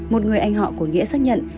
một người anh họ của nghĩa xác nhận